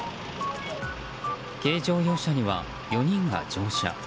軽乗用車には４人が乗車。